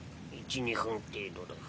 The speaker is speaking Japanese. １２分程度だ。